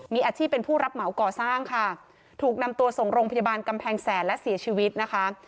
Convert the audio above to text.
มีอาชีพเป็นผู้รับเหมาก่อสร้างค่ะถูกนำตัวส่งโรงพยาบาลกำแพงแสนและเสียชีวิตนะคะ